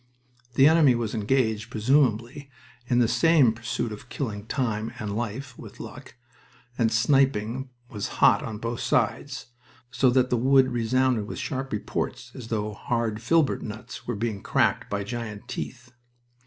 The enemy was engaged, presumably, in the same pursuit of killing time and life (with luck), and sniping was hot on both sides, so that the wood resounded with sharp reports as though hard filbert nuts were being cracked by giant teeth.